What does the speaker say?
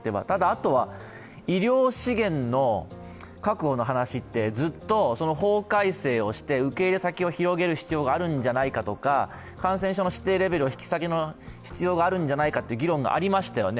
ただ、あとは医療資源の確保の話ってずっと法改正をして受け入れ先を広げる必要があるんじゃないかとか感染症の指定レベル引き下げの必要があるんじゃないかと議論がありました。